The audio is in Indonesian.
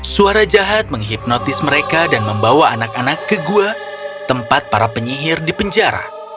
suara jahat menghipnotis mereka dan membawa anak anak ke gua tempat para penyihir dipenjara